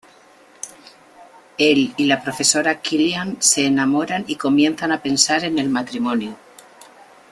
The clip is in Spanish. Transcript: Él y la profesora Killian se enamoran y comienzan a pensar en el matrimonio.